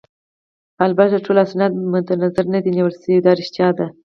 البته ټول اسناد مدنظر نه دي نیول شوي، دا ريښتیا ده.